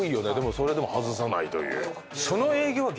それでも外さないという。